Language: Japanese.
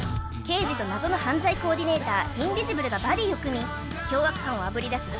刑事と謎の犯罪コーディネーターインビジブルがバディを組み凶悪犯をあぶり出す